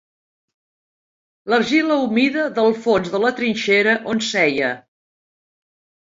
L'argila humida del fons de la trinxera, on seia